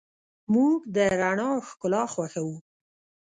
موږ د رڼا ښکلا خوښو.